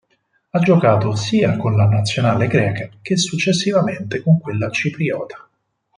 Ha giocato sia con la Nazionale greca che successivamente con quella cipriota.